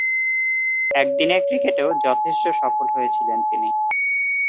একদিনের ক্রিকেটেও যথেষ্ট সফল হয়েছিলেন তিনি।